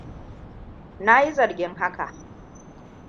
Na yi zargin haka.